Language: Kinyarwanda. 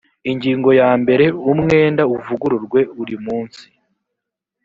ingingo ya mbere umwenda uvuguruwe uri munsi